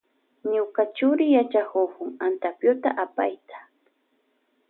Ñuka churi yachakukun antapyuta apayta.